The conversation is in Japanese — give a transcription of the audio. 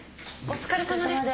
お疲れさまです。